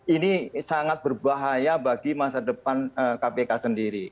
ini sangat berbahaya bagi masa depan kpk sendiri